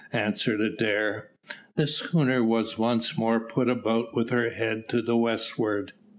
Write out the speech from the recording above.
answered Adair. The schooner was once more put about with her head to the westward.